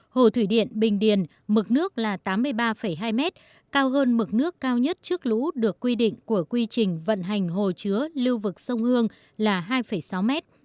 hồ thủy điện bình điền mực nước là tám mươi ba hai mét cao hơn mực nước cao nhất trước lũ được quy định của quy trình vận hành hồ chứa lưu vực sông hương là hai sáu mét